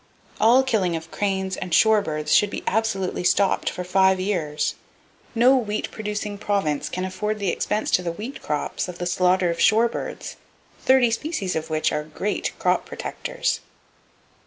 All killing of cranes and shore birds should be absolutely stopped, for five years. No wheat producing province can afford the expense to the wheat crops of the slaughter of shore birds, thirty species of which are great crop protectors.